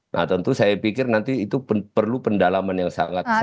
nah tentu saya pikir nanti itu perlu pendalaman yang sangat serius